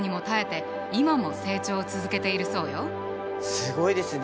すごいですね。